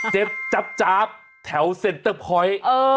เจ็บจ๊าบแถวเซ็นเตอร์พอยต์